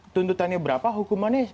tuntutannya berapa hukumannya